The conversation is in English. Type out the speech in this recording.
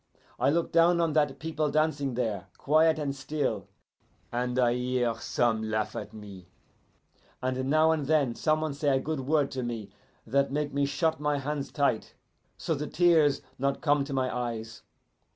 I look down on that people dancing there, quiet and still, and I hear some laugh at me, and now and then some one say a good word to me that make me shut my hands tight, so the tears not come to my eyes.